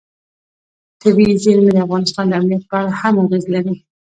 طبیعي زیرمې د افغانستان د امنیت په اړه هم اغېز لري.